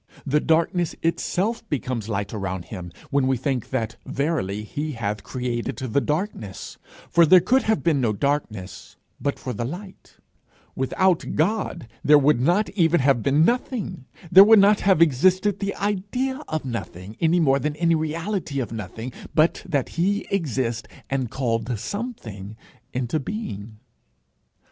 The darkness itself becomes light around him when we think that verily he hath created the darkness, for there could have been no darkness but for the light Without God there would not even have been nothing; there would not have existed the idea of nothing, any more than any reality of nothing, but that he exists and called something into being.